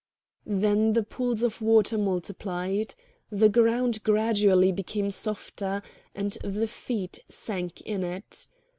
Then the pools of water multiplied. The ground gradually became softer, and the feet sank in it.